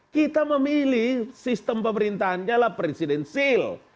kita memilih sistem pemerintahannya adalah presidensil